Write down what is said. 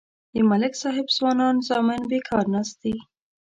د ملک صاحب ځوانان زامن بیکار ناست دي.